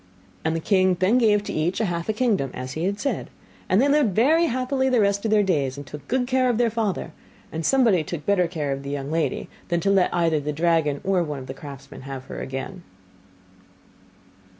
And the king then gave to each half a kingdom, as he had said; and they lived very happily the rest of their days, and took good care of their father; and somebody took better care of the young lady, than to let either the dragon or one of the craftsmen have her again.